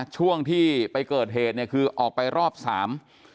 ช่วงที่ไปเกิดเหตุเนี่ยคือออกไปรอบสาม